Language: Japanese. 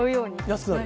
安くなる？